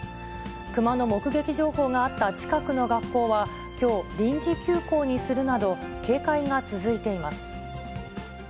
熊の目撃情報があった近くの学校は、きょう、臨時休校にするなど、警戒が続いています。